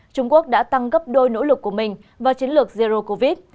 trung quốc đã tăng gấp đôi nỗ lực của mình vào chiến lược zero covid